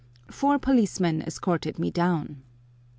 Four policemen escorted me down.